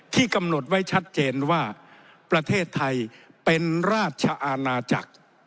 กำหนดไว้ชัดเจนว่าประเทศไทยเป็นราชอาณาจักร